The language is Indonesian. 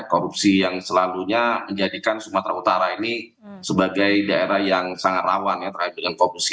korupsi yang selalunya menjadikan sumatera utara ini sebagai daerah yang sangat rawan ya terkait dengan korupsi